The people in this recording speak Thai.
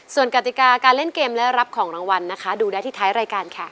ส่วนกติกาการเล่นเกมและรับของรางวัลนะคะดูได้ที่ท้ายรายการค่ะ